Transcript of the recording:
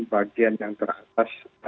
bagian yang teratas